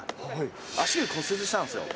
足を骨折したんですよ。